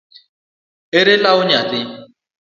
Ere law nyathi?